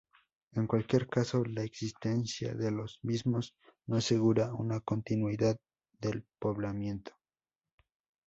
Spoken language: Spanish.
En cualquier caso, la existencia de los mismos no asegura una continuidad del poblamiento.